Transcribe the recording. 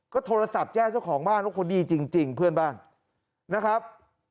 ก็โทรศัพท์แจ้งเจ้าของบ้านว่าคนดีจริงเพื่อนบ้านนะครับ